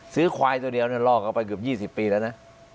ซื้อควายตัวเดียวเนี่ยลอกออกไปเกือบ๒๐ปีแล้วนะ